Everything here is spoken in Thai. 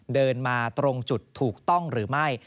เดินมาตรงจุดถูกต้องหรือไม่